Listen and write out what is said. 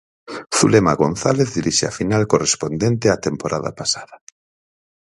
Zulema González dirixe a final correspondente á temporada pasada.